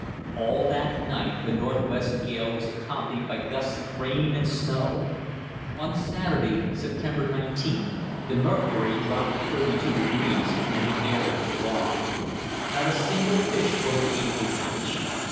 All that night the northwest gale was accompanied by gusts of rain and snow. On Saturday (September 19th) the mercury dropped to 32 degrees, and the air was raw. Not a single fish were we able to catch.